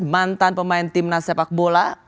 mantan pemain timnas sepak bola